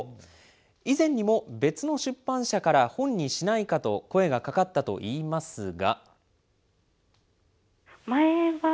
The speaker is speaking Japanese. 以前にも、別の出版社から本にしないかと声がかかったといいますが。